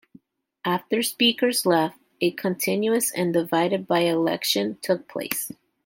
After Speaker left, a contentious and divided by-election took place.